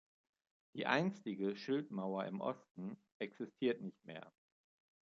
Die einstige Schildmauer im Osten existiert nicht mehr.